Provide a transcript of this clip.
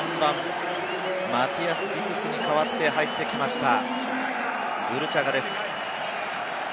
そして３番、マティアス・ディトゥスに代わって入ってきました、グルチャガです。